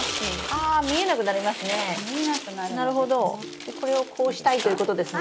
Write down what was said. でこれをこうしたいということですね？